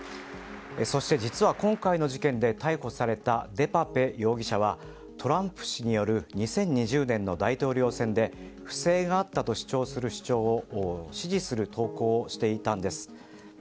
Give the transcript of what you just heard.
そして、実は今回の事件で逮捕されたデパペ容疑者はトランプ氏による２０２０年の大統領選で不正があったと主張する主張を支持する投稿をしていたんです。